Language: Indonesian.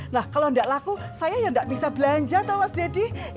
nah kalau nggak laku saya yang nggak bisa belanja tau mas daddy